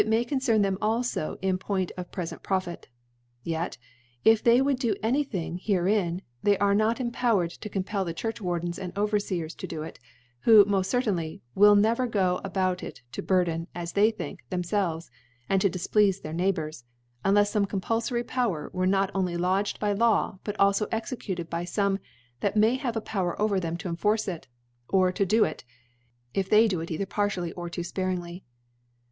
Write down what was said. iy concern them alfo in p jnt of prefent Profit •, yet if they would do any thing herein, they are not empowered to compel the Churchwardens ahd Over fcers to do it> who moft certainly will D A * never (58) * never go about it to burden^ as they * think, ihemfclves, and difpleafe their, ^ Neighbours^ unltfs fome compulfory ' Power were "not only lodged by L:aw> but * alfo executed by fome that may have a * Power over them to enforce it ; or to do * it, if they do it either partially or too * fparingly.